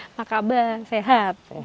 apa kabar sehat